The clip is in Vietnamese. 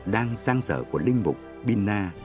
đang sang sở của linh mục pina